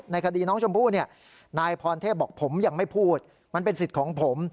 คดีน้องชมพู่เนี่ยนายพรเทพบอกผมยังไม่พูดมันเป็นสิทธิ์ของผม